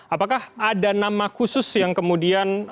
apakah ada nama khusus yang kemudian